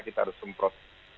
kita harus semprot